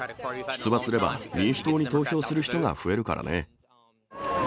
出馬すれば、民主党に投票する人が増えるからね。